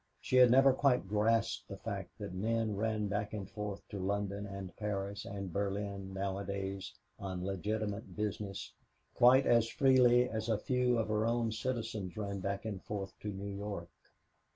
She had never quite grasped the fact that men ran back and forth to London and Paris and Berlin now a days on legitimate business quite as freely as a few of her own citizens ran back and forth to New York.